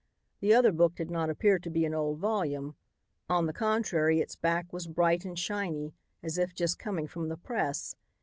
The other book did not appear to be an old volume. On the contrary its back was bright and shiny as if just coming from the press.